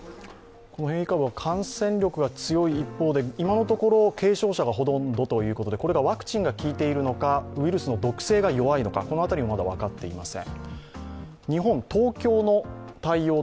感染力が強い一方で、今のところ軽症者がほとんどということでこれがワクチンが効いているのか、ウイルスの毒性が弱いのか、この辺りもまだ分かっていません。